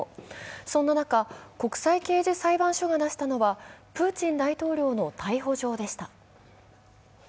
そんな中国際刑事裁判所が出したのはプーチン大統領の逮捕状でした。